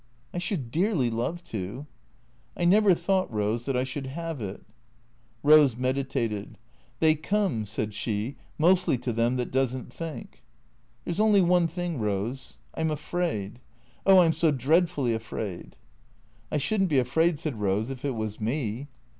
" I should dearly love to." " I never thought, Rose, that I should have it." Rose meditated. " They come," said she, " mostly to them that does n't think." " There 's only one thing. Rose. I 'm afraid. Oh, I 'm so dreadfully afraid." " I should n't be afraid," said Rose, " if it was me."